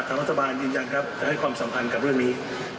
ธรรมศาบาลยืนยังจะให้ความสำคัญกับเรื่องนี้